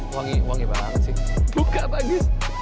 wangi wangi banget sih buka bagus